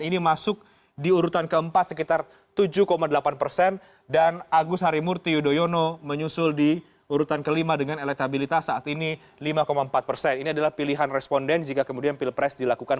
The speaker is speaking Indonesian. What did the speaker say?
ini adalah pilihan responden jika kemudian pilpres dilakukan